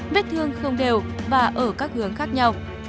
vết thương không đều và ở các hướng khác nhau